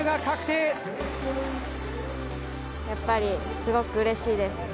やっぱりすごくうれしいです。